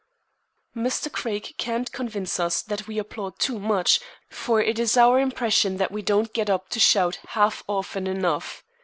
Mr. Craig can't convince us that we applaud too much, for it is our impression that we don't get up to shout half often enough.